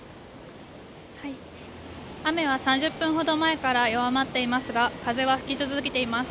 雨は３０分ほど前から弱まっていますが風は吹き続けています